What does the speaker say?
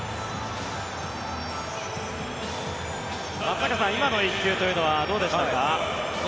松坂さん、今の１球というのはどうでしたか？